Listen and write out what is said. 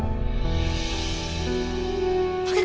kamu dendam sama ibu